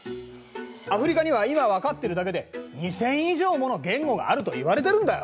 アフリカには今分かってるだけで２，０００以上もの言語があるといわれてるんだよ。